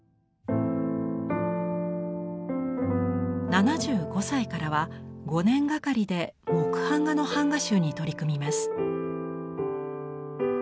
７５歳からは５年がかりで木版画の版画集に取り組みます。